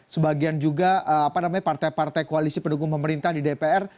sebagian juga partai partai koalisi pendukung pemerintah di dpr